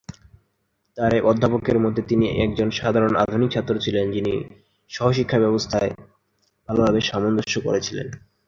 তাঁর এক অধ্যাপকের মতে, "তিনি একজন সাধারণ, আধুনিক ছাত্র ছিলেন, যিনি সহ-শিক্ষাব্যবস্থায় ভালভাবে সামঞ্জস্য করেছিলেন।"